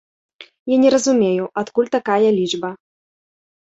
Я не разумею, адкуль такая лічба.